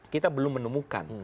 kita belum menemukan